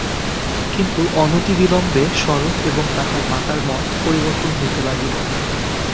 কিন্তু অনতিবিলম্বে শরৎ এবং তাহার মাতার মত পরিবর্তন হইতে লাগিল।